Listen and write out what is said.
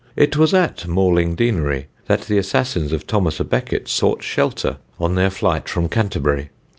It was at Mailing Deanery that the assassins of Thomas à Becket sought shelter on their flight from Canterbury.